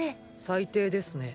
最低ですね。